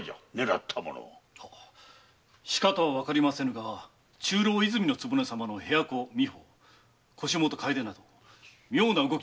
しかとはわかりませぬが和泉の局様の部屋子・美保腰元「かえで」など妙な動きが。